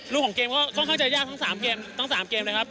รูปของเกมก็ค่อนข้างจะยากทั้ง๓เกมนะครับ